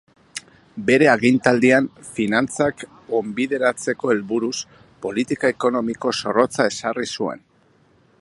Bere agintaldian, finantzak onbideratzeko helburuz, politika ekonomiko zorrotza ezarri zuen.